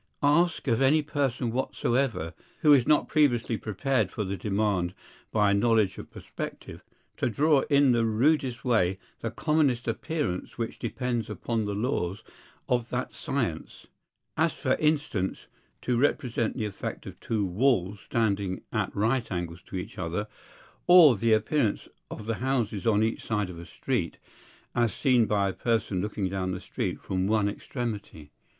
Ask of any person whatsoever, who is not previously prepared for the demand by a knowledge of perspective, to draw in the rudest way the commonest appearance which depends upon the laws of that science; as for instance, to represent the effect of two walls standing at right angles to each other, or the appearance of the houses on each side of a street, as seen by a person looking down the street from one extremity.